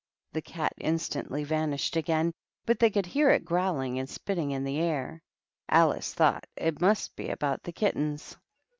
The Cat instantly vanished again, but they could hear it growling and spitting in the air. Alice thought it must be about the kittens.